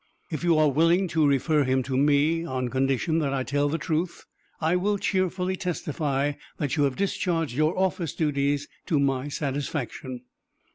If you are willing to refer him to me, on condition that I tell the truth, I will cheerfully testify that you have discharged your office duties to my satisfaction."